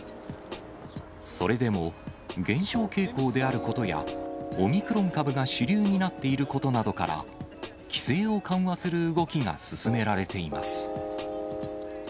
それでも減少傾向であることや、オミクロン株が主流になっていることなどから、規制を緩和する動きが進められています。